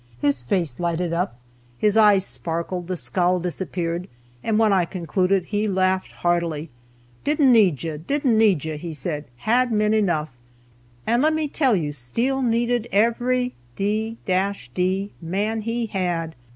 His face lighted up, his eyes sparkled, the scowl disappeared, and when I concluded he laughed heartily. "Didn't need you; didn't need you," he said; "had men enough, and, let me tell you, Steele needed every d d man he had."